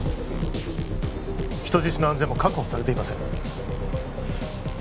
人質の安全も確保されていません